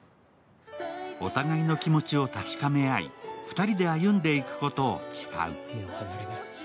お互いの気持ちを確かめ合い、２人で歩んでいくことを誓う。